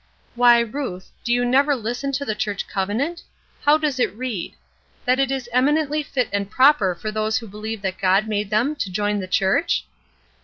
Why, Ruth, do you never listen to the church covenant? How does it read: 'That it is eminently fit and proper for those who believe that God made them to join the church?'